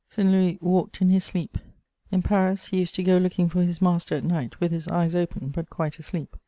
Saint Louis walked in his sleep; in Paris he used to go looking for his master at night, with his eyes open, but quite asleep.